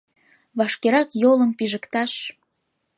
Вашкерак йолым пижыкташ!